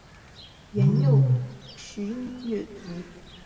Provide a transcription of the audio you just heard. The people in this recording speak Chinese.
皇佑元年十一月卒。